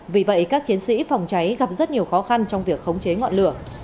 vì vậy các chiến sĩ phòng cháy gặp rất nhiều khó khăn trong việc khống chế ngọn lửa